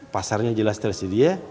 pasarnya jelas tersedia